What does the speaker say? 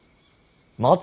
待て。